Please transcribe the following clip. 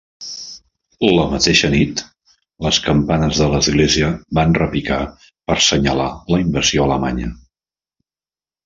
La mateixa nit, les campanes de l'església van repicar per senyalar la invasió Alemanya.